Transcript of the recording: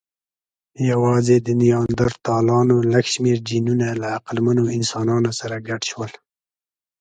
یواځې د نیاندرتالانو لږ شمېر جینونه له عقلمنو انسانانو سره ګډ شول.